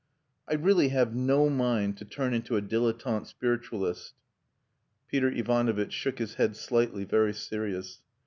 "I really have no mind to turn into a dilettante spiritualist." Peter Ivanovitch shook his head slightly, very serious.